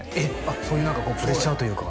そういう何かプレッシャーというか？